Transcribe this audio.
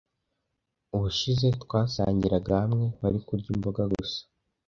Ubushize twasangiraga hamwe, wari kurya imboga gusa.